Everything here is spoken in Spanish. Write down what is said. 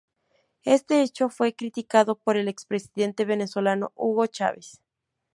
Este hecho fue criticado por el expresidente venezolano Hugo Chávez.